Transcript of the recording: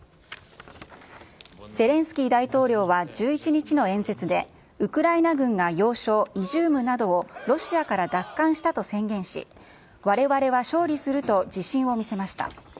ゼレンスキー大統領は１１日の演説で、ウクライナ軍が要衝イジュームなどをロシアから奪還したと宣言し、われわれは勝利すると自信を見せました。